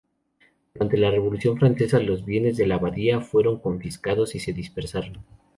Durante la Revolución francesa los bienes de la abadía fueron confiscados y se dispersaron.